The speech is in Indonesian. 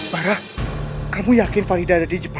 bara kamu yakin faridah ada di jepara